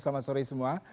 selamat sore semua